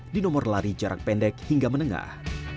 di nomor lari jarak pendek hingga menengah